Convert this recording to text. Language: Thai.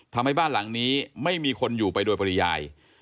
ทำให้บ้านหลังนี้ไม่มีคนอยู่ไปโดยปริยาย